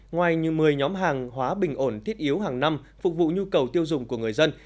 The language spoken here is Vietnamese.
ngoài như một mươi nhóm hàng hóa bình ổn thiết yếu hàng năm phục vụ nhu cầu tiêu dùng của người dân